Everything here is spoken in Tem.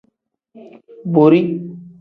Borii.